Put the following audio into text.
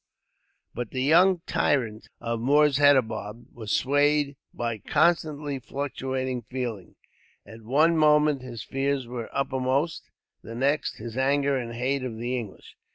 But the young tyrant of Moorshedabad was swayed by constantly fluctuating feeling. At one moment his fears were uppermost; the next, his anger and hate of the English.